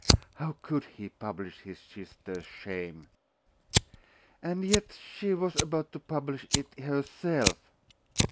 How could he publish his sisters shame? And yet she was about to publish it herself!....